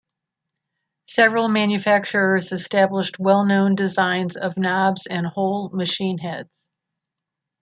Several manufacturers established well-known designs of knobs and whole machine heads.